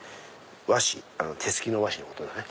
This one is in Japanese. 和紙手すきの和紙のことだね。